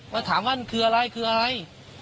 ว่าถามว่าคืออะไรคืออะไร